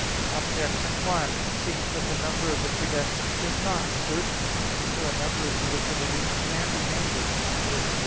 Objection 1: It seems that the number of the predestined is not certain. For a number to which an addition can be made is not certain.